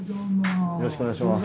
よろしくお願いします。